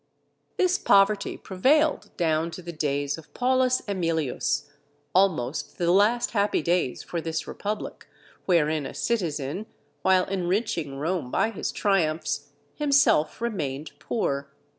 This poverty prevailed down to the days of Paulus Emilius, almost the last happy days for this republic wherein a citizen, while enriching Rome by his triumphs, himself remained poor.